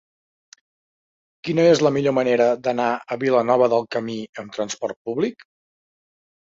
Quina és la millor manera d'anar a Vilanova del Camí amb trasport públic?